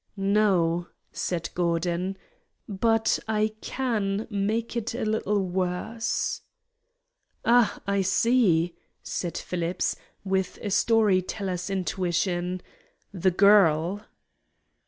"No," said Gordon, "but I can make it a little worse." "Ah, I see," said Phillips, with a story teller's intuition "the girl."